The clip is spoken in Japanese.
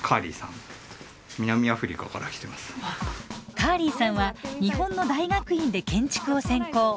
カーリーさんは日本の大学院で建築を専攻。